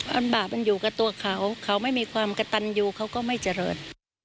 ลำบากมันอยู่กับตัวเขาเขาไม่มีความกระตันยูเขาก็ไม่เจริญ